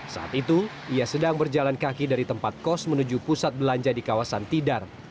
saat itu ia sedang berjalan kaki dari tempat kos menuju pusat belanja di kawasan tidar